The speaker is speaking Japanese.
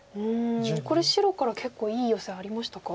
これ白から結構いいヨセありましたか？